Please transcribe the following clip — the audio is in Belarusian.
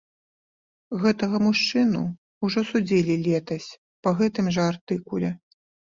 Гэтага мужчыну ўжо судзілі летась па гэтым жа артыкуле.